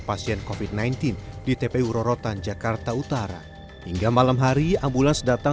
pasien kofit sembilan belas di tpu rorotan jakarta utara hingga malam hari ambulans datang